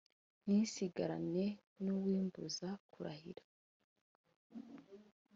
ntisigarane n’uw’imbuza kurahira ?